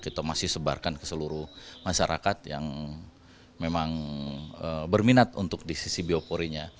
kita masih sebarkan ke seluruh masyarakat yang memang berminat untuk di sisi bioporinya